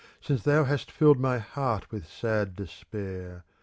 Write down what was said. Since thou hast filled my heart with sad despair.